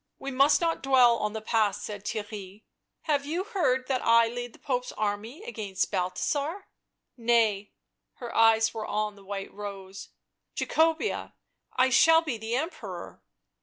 "We must not dwell on the past," said Theirry. " Have you heard that I lead the Pope's army against Balthasar ?"" Nay "; her eyes were on the white rose. " Jacobea, I shall be the Emperor."